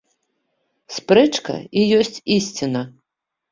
Спрэчка і ёсць ісціна.